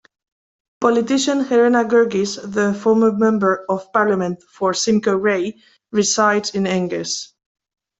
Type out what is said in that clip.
Politician Helena Guergis, the former Member of Parliament for Simcoe-Grey, resides in Angus.